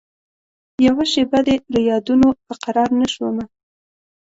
یوه شېبه دي له یادونوپه قرارنه شومه